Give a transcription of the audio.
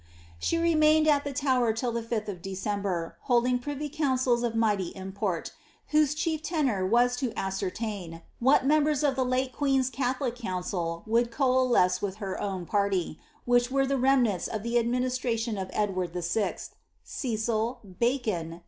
She remained at the Tower till the 5th of December, holding privy councils of mighty import, whose chief tenor was to ascertain, what members of the late queen's catholic council would coalesce with her own party — which were the remnants of the administration of Eklwaid VI.— <>cil, Bacon.